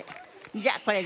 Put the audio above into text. じゃあこれで。